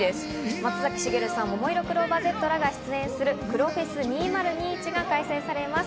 松崎しげるさん、ももいろクローバーＺらが出演する黒フェス２０２１が開催されます。